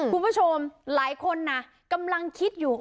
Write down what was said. คุณผู้ชมหลายคนนะกำลังคิดอยู่